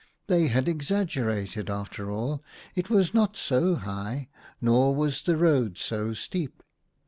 They had exaggerated ; after all, it was not so high, nor was the road so steep!